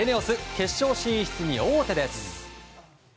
決勝進出に王手です。